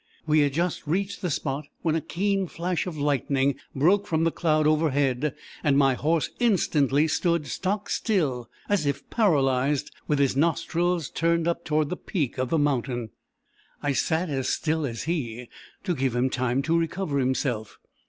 We had just reached the spot, when a keen flash of lightning broke from the cloud overhead, and my horse instantly stood stock still, as if paralysed, with his nostrils turned up towards the peak of the mountain. I sat as still as he, to give him time to recover himself.